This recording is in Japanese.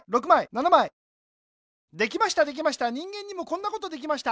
できましたできました人間にもこんなことできました。